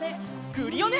クリオネ！